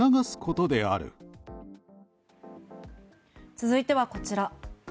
続いてはこちら。